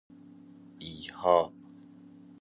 ایحاء